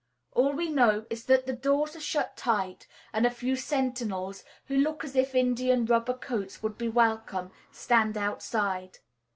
All we know is that the doors are shut tight, and a few sentinels, who look as if India rubber coats would be welcome, stand outside.